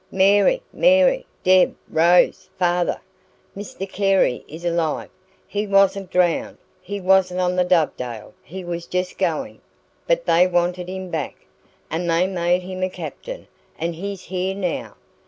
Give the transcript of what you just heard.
"Mary Mary! Deb! Rose! father! Mr Carey is alive! He wasn't drowned! He wasn't on the DOVEDALE he was just going; but they wanted him back, and they made him a captain, and he's here now.